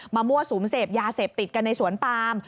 มั่วสุมเสพยาเสพติดกันในสวนปาม